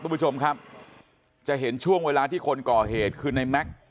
คุณผู้ชมครับจะเห็นช่วงเวลาที่คนก่อเหตุคือในแม็กซ์